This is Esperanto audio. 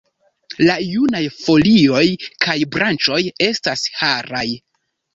La junaj folioj kaj branĉoj estas haraj.